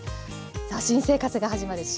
さあ新生活が始まる４月。